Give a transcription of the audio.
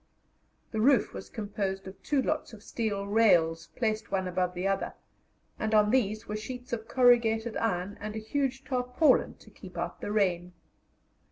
The roof was composed of two lots of steel rails placed one above the other, and on these were sheets of corrugated iron and a huge tarpaulin to keep out the rain.